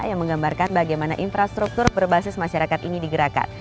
yang menggambarkan bagaimana infrastruktur berbasis masyarakat ini digerakkan